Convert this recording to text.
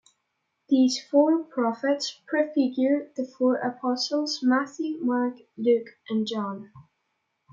These four prophets prefigure the four Apostles Matthew, Mark, Luke, and John.